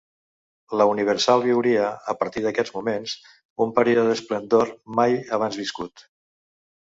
La Universal viuria, a partir d'aquests moments, un període d'esplendor mai abans viscut.